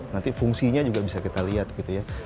nanti fungsinya juga bisa kita lihat gitu ya